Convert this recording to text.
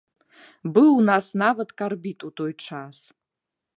Быў у нас нават карбід у той час.